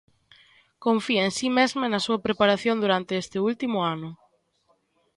Confía en si mesma e na súa preparación durante este último ano.